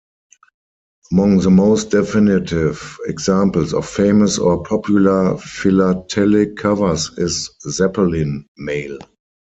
Among the most definitive examples of famous or popular philatelic covers is Zeppelin mail.